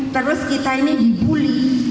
terus kita ini dibuli